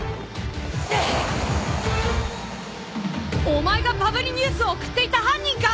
お前がパブリニュースを送っていた犯人か！